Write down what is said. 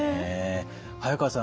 早川さん